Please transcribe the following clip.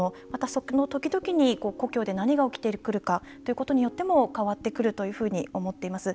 その時々に故郷で何が起きてくるかということによっても変わってくるというふうに思っています。